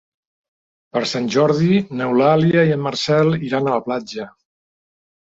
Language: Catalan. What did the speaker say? Per Sant Jordi n'Eulàlia i en Marcel iran a la platja.